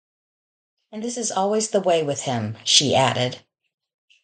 “And this is always the way with him,” she added.